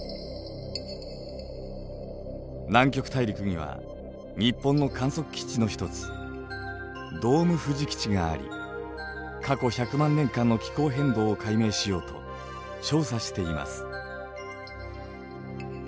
南極大陸には日本の観測基地の一つドームふじ基地があり過去１００万年間の気候変動を解明しようと調査しています。